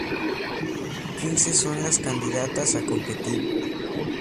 Quince son las candidatas a competir.